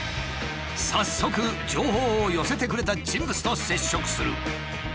早速情報を寄せてくれた人物と接触する。